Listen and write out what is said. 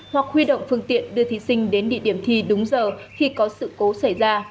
hoặc huy động phương tiện đưa thí sinh đến địa điểm thi đúng giờ khi có sự cố xảy ra